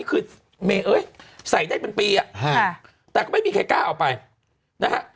คือเมย์เอ้ยใส่ได้เป็นปีอ่ะฮะแต่ก็ไม่มีใครกล้าเอาไปนะฮะ